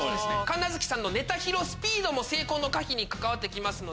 神奈月さんのネタ披露スピードも成功の可否に関わって来ます。